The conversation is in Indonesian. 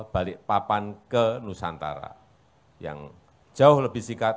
balikpapan ke nusantara yang jauh lebih sikat